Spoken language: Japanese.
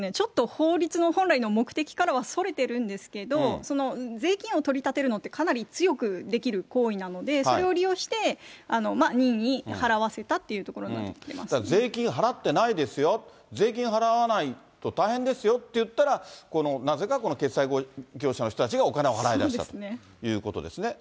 法律の本来の目的からはそれてるんですけど、税金を取り立てるのって、かなり強くできる行為なので、それを利用して、任意払わせたとい税金払ってないですよ、税金払わないと大変ですよって言ったら、なぜかこの決済業者の人たちがお金を払いだしたということですね。